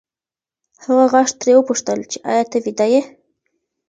هغه غږ ترې وپوښتل چې ایا ته ویده یې؟